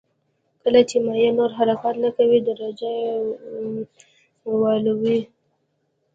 کله چې مایع نور حرکت نه کوي درجه یې ولولئ.